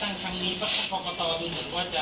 ประสบคตรว่าทางที่จะประกาศผลไม่เป็นทางการคืนนี้